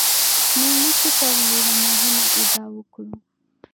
موږ نشو کولای یوه مهمه ادعا وکړو.